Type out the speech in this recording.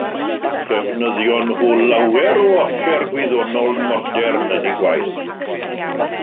Defnyddion nhw lawer o offer gwyddonol modern yn eu gwaith.